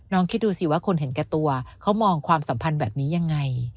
คิดดูสิว่าคนเห็นแก่ตัวเขามองความสัมพันธ์แบบนี้ยังไง